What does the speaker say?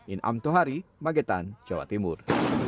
in amtohari magetan jawa timur